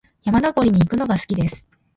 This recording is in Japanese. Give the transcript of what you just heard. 山登りに行くのが好きです。